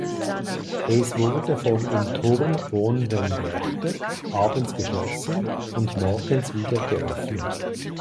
Es wurde vom im Turm wohnenden Wächter abends geschlossen und morgens wieder geöffnet.